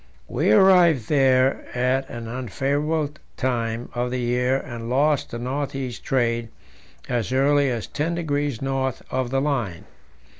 We arrived there at an unfavourable time of the year and lost the north east trade as early as ten degrees north of the line.